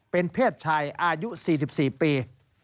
เป็นเพศชายอายุ๔๔ปี